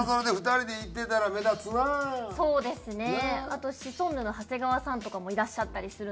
あとシソンヌの長谷川さんとかもいらっしゃったりするんで。